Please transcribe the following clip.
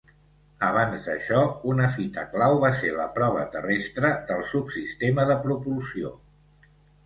Abans d'això, una fita clau va ser la prova terrestre del subsistema de propulsió.